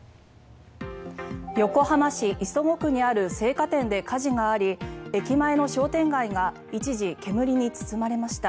横浜市磯子区にある青果店で火事があり駅前の商店街が一時、煙に包まれました。